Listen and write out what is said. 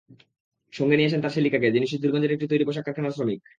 সঙ্গে নিয়ে আসেন তাঁর শ্যালিকাকে, যিনি সিদ্ধিরগঞ্জের একটি তৈরি পোশাক কারখানার শ্রমিক।